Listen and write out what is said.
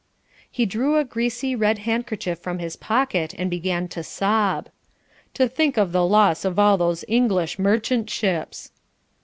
He drew a greasy, red handkerchief from his pocket and began to sob. "To think of the loss of all those English merchant ships!"